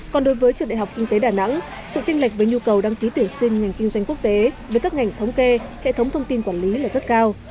còn đối với trường đại học kinh tế đà nẵng sự tranh lệch với nhu cầu đăng ký tuyển sinh ngành kinh doanh quốc tế với các ngành thống kê hệ thống thông tin quản lý là rất cao